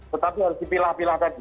tetapi harus dipilah pilah tadi